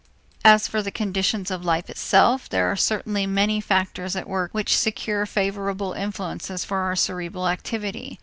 As to the conditions of life itself, there are certainly many factors at work which secure favorable influences for our cerebral activity.